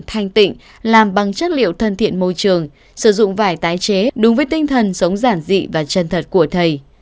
thanh tịnh làm bằng chất liệu thân thiện môi trường sử dụng vải tái chế đúng với tinh thần sống giản dị và chân thật của thầy